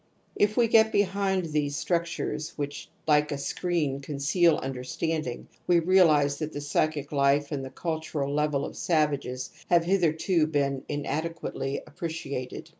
If we get behind, these structures, which like a screen conceal understanding, we realize that the psychic life and the cultural level of savages have hitherto been inadequately appreciated.